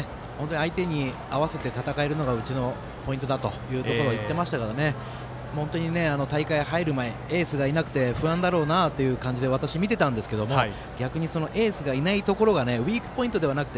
相手に合わせて戦えるのがうちのポイントだということを言ってましたから本当に大会に入る前エースがいなくて不安だろうなという形で私、見てたんですけど逆にエースがいないところがウィークポイントではなく